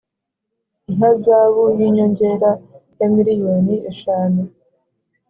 ihazabu y’ inyongera ya miliyoni eshanu